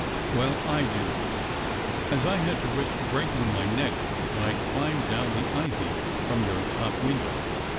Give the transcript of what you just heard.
"Well, I do, as I had to risk breaking my neck when I climbed down the ivy from your top window."